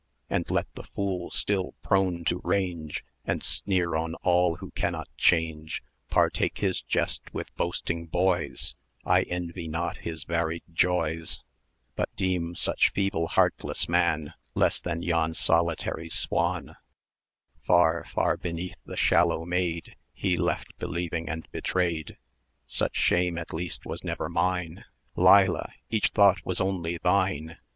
And let the fool still prone to range,[ek] And sneer on all who cannot change, Partake his jest with boasting boys; I envy not his varied joys, But deem such feeble, heartless man, Less than yon solitary swan; Far, far beneath the shallow maid[el] He left believing and betrayed. Such shame at least was never mine 1180 Leila! each thought was only thine!